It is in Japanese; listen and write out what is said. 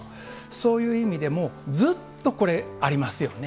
そういう意味でも、ずっとこれありますよね。